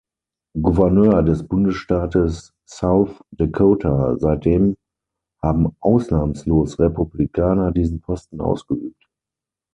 Gouverneur des Bundesstaates South Dakota; seitdem haben ausnahmslos Republikaner diesen Posten ausgeübt.